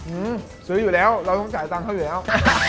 ื้อซื้ออยู่แล้วเราต้องจ่ายตังค์เขาอยู่แล้ว